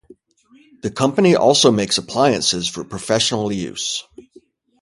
The company also makes appliances for professional use.